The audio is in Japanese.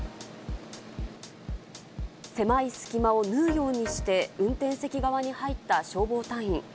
狭い隙間を縫うようにして運転席側に入った消防隊員。